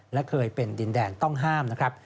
และเคยเป็นดินแดนต้องห้ามนะครับ